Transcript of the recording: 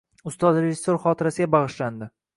Ustoz rejissyor xotirasiga bag‘ishlandi